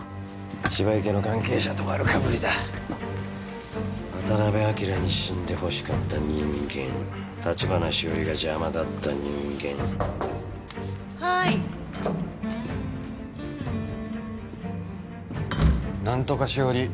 芝池の関係者と丸かぶりだ渡辺昭に死んでほしかった人間橘しおりが邪魔だった人間はーいナントカしおり